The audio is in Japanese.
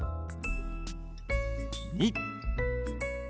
２。